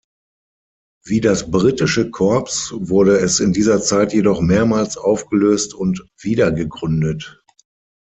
Wie das britische Korps wurde es in dieser Zeit jedoch mehrmals aufgelöst und wiedergegründet.